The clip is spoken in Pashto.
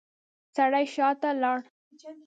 سړی شاته لاړ.